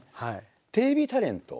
テレビタレント。